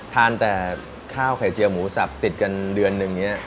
ทานแต่ข้าวไข่เจียวหมูสับติดกันเดือนหนึ่งอย่างนี้